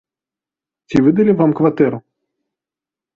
Ці выдалі вам кватэру?